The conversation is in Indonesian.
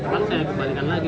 pas saya kembalikan lagi